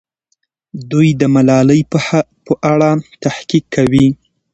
دوی د ملالۍ په اړه تحقیق کوي.